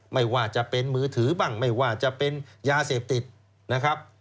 ไม่ว่าจะเป็นมือถือบ้างไม่ว่าจะเป็นยาเสพติดนะครับ